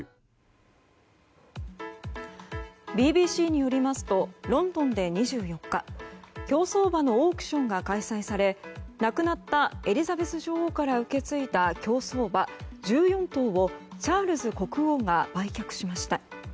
ＢＢＣによりますとロンドンで２４日競走馬のオークションが開催され亡くなったエリザベス女王から受け継いだ競走馬１４頭をチャールズ国王が売却しました。